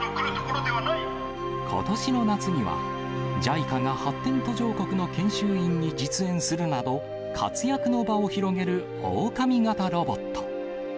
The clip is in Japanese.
ことしの夏には、ＪＩＣＡが発展途上国の研修員に実演するなど、活躍の場を広げるオオカミ型ロボット。